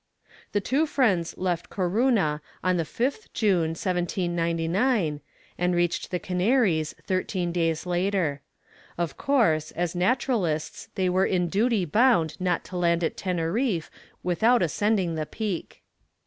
The two friends left Corunna on the 5th June, 1799, and reached the Canaries thirteen days later. Of course, as naturalists they were in duty bound not to land at Teneriffe without ascending the Peak.